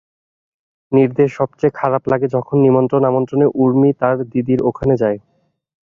নীরদের সব চেয়ে খারাপ লাগে যখন নিমন্ত্রণ-আমন্ত্রণে ঊর্মি তার দিদির ওখানে যায়।